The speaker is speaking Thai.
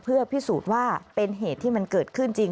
เพื่อพิสูจน์ว่าเป็นเหตุที่มันเกิดขึ้นจริง